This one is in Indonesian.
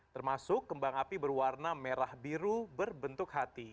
termasuk kembang api berwarna merah biru berbentuk hati